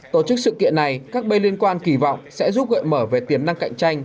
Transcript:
tổ chức sự kiện này các bên liên quan kỳ vọng sẽ giúp gợi mở về tiềm năng cạnh tranh